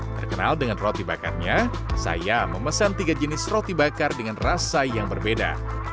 terkenal dengan roti bakarnya saya memesan tiga jenis roti bakar dengan rasa yang berbeda